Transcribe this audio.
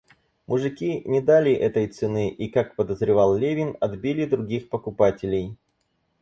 Мужики не дали этой цены и, как подозревал Левин, отбили других покупателей.